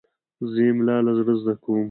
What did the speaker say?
زه املا له زړه زده کوم.